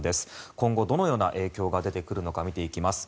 今後、どのような影響が出てくるのか見ていきます。